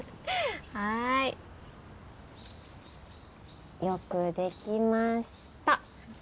はーい。よくできました。